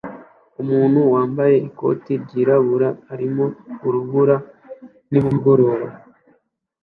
Umuntu wambaye ikoti ryirabura arimo urubura nimugoroba